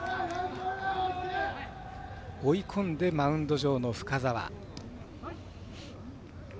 追い込んでマウンド上の深沢。